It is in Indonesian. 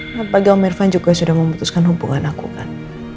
apalagi om irfan juga sudah memutuskan hubungan aku kan